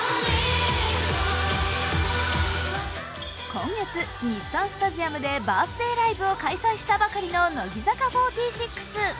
今月、日産スタジアムでバースデーライブを開催したばかりの乃木坂４６。